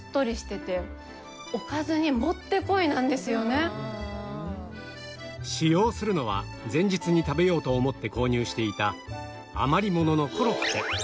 ホントに使用するのは前日に食べようと思って購入していた余り物のコロッケ